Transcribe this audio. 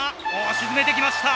沈めてきました。